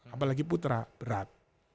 apalagi putra berat